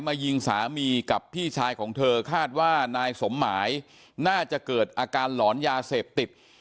ยิงสามีกับพี่ชายของเธอคาดว่านายสมหมายน่าจะเกิดอาการหลอนยาเสพติด